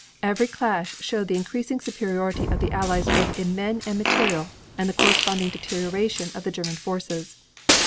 Every clash showed the increasing superiority of the Allies both in men and material and the corresponding deterioration of the German forces.